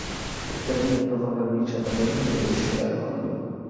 O trem é provavelmente a melhor maneira de chegar lá.